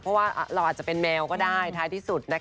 เพราะว่าเราอาจจะเป็นแมวก็ได้ท้ายที่สุด